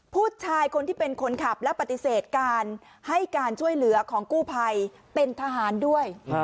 ผู้ชายคนที่เป็นคนขับและปฏิเสธการให้การช่วยเหลือของกู้ภัยเป็นทหารด้วย